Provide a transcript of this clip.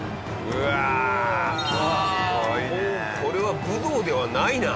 もうこれは武道ではないな。